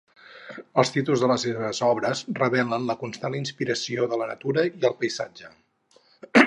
Els títols de les seves obres revelen la constant inspiració de la natura i el paisatge.